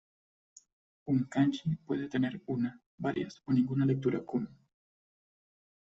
Un kanji puede tener una, varias o ninguna lectura "kun".